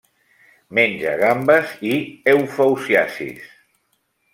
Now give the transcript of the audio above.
Menja gambes i eufausiacis.